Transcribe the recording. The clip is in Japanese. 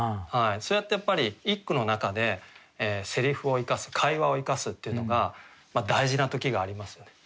そうやってやっぱり一句の中でセリフを生かす会話を生かすっていうのが大事な時がありますよね。